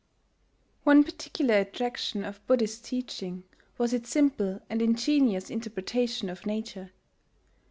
One particular attraction of Buddhist teaching was its simple and ingenious interpretation of nature.